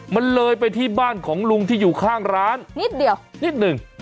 มันเลยไปที่บ้านของลุงที่อยู่ข้างร้านนิดเดียวนิดหนึ่ง